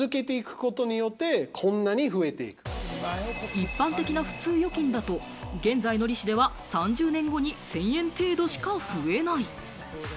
一般的な普通預金だと、現在の利子では３０年後に１０００円程度しか増えない。